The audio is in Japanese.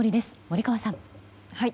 森川さん。